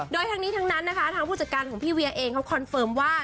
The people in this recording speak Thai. โดยทั้งนี้ทั้งนั้นนะคะทางผู้จัดการของพี่เวียเองเขาคอนเฟิร์มว่า